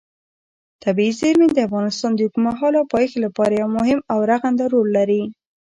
طبیعي زیرمې د افغانستان د اوږدمهاله پایښت لپاره یو مهم او رغنده رول لري.